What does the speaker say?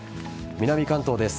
南関東です。